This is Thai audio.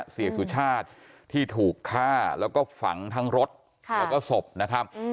เสียสุชาติที่ถูกฆ่าแล้วก็ฝังทั้งรถแล้วก็ศพนะครับ